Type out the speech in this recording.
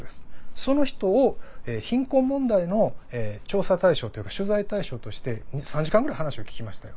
その人を貧困問題の調査対象というか取材対象として３時間ぐらい話を聞きましたよ。